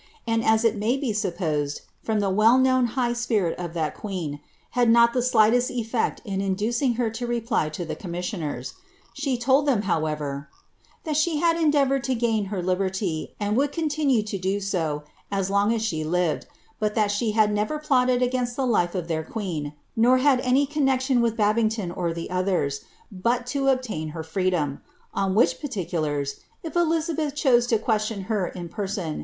and as it may be supposed, from the well known I spirit of that queen, had not the slightest ctlect in inducing her lo n lo the commissioners. She told litem, however, " ihai she had en vouted to gain her liberty, and would continue to do so as lone as lived ; but ihat she had never plotted against the life of their queen, bad any connexion with Babinglon or the others, bnt to obtain her I dom ; on which particulars, if Elizabeth chose to question her iu per ' iVicidJa^ Life of Daviaoiv. *li>BVBio.n M3S, 290, f i( BLIZABETn.